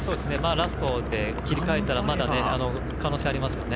ラストで切り替えたらまだ可能性ありますね。